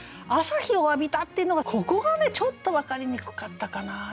「朝日を浴びた」っていうのがここはねちょっと分かりにくかったかな。